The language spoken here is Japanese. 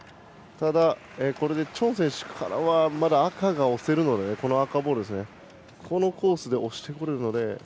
ただ、これでチョン選手からはまだ赤が押せるのでこのコースで押してくるので。